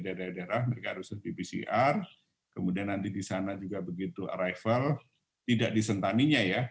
di daerah daerah mereka harus lebih pcr kemudian nanti di sana juga begitu arrival tidak disentaninya ya